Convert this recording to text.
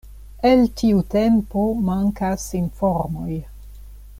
El tiu tempo mankas informoj.